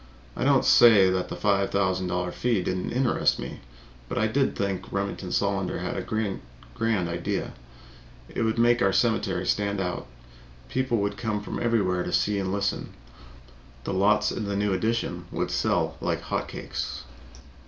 I don't say that the five thousand dollar fee did not interest me, but I did think Remington Solander had a grand idea. It would make our cemetery stand out. People would come from everywhere to see and listen. The lots in the new addition would sell like hot cakes.